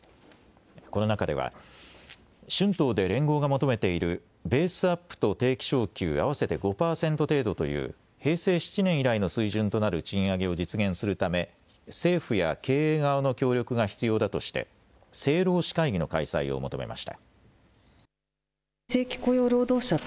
この中では春闘で連合が求めているベースアップと定期昇給合わせて５％程度という平成７年以来の水準となる賃上げを実現するため政府や経営側の協力が必要だとして政労使会議の開催を求めました。